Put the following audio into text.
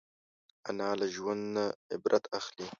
انا له ژونده عبرت اخلي